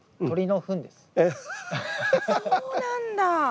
そうなんだ！